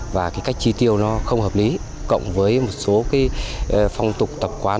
và cái cách chi tiêu nó không hợp lý cộng với một số cái phong tục tập quán